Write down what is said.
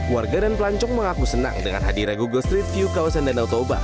warga dan pelancong mengaku senang dengan hadirnya google street view kawasan danau toba